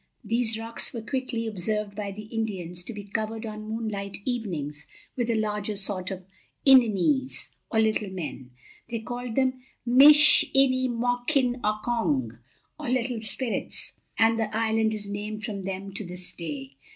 These rocks were quickly observed by the Indians to be covered, on moonlight evenings, with a larger sort of Ininees, or little men. They called them Mish in e mok in ok ong, or Little Spirits, and the island is named from them to this day.